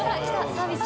サービス。